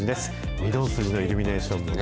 御堂筋のイルミネーションね。